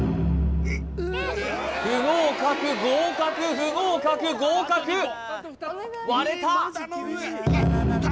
不合格合格不合格合格割れた！